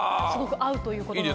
合うということです。